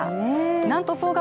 なんと総額